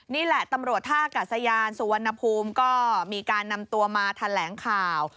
นี่แหละตำรวจท่ากัศยานสุวรรณภูมิก็มีการนำตัวมาแถลงข่าว